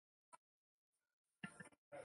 分析问题和症结